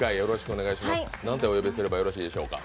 なんてお呼びすればよろしいでしょうか？